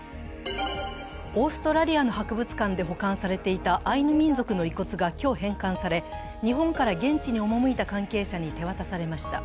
オーストラリアの博物館で保管されていたアイヌ民族の遺骨が今日返還され、日本から現地に赴いた関係者に手渡されました。